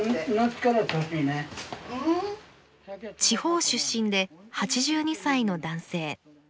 地方出身で８２歳の男性。